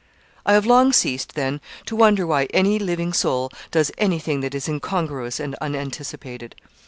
I have long ceased, then, to wonder why any living soul does anything that is incongruous and unanticipated.